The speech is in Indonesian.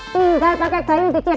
tinggal pakai dayu dicedok